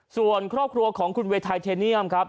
ส่วนครอบครัวของคุณเวย์ไทเทเนียมครับ